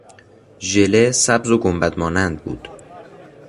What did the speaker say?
ژله سبز و گنبد مانند بود.